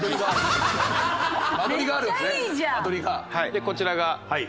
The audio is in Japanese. でこちらが。